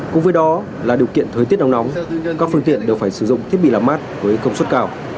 cùng với đó là điều kiện thời tiết nắng nóng các phương tiện đều phải sử dụng thiết bị làm mát với công suất cao